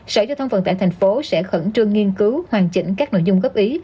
sở giao thông vận tải tp hcm sẽ khẩn trương nghiên cứu hoàn chỉnh các nội dung góp ý